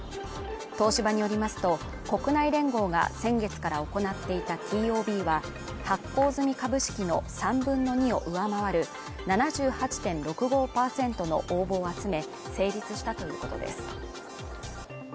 東芝によりますと国内連合が先月から行っていたＴＯＢは発行済み株式の３分の２を上回る７８．６５％の応募を集め